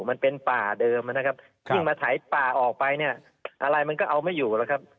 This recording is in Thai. มันเป็นป่าเดิมนะครับยิ่งมาไถป่าออกไปเนี่ยอะไรมันก็เอาไม่อยู่แล้วครับ